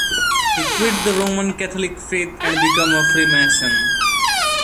He quit the Roman Catholic faith and became a Freemason.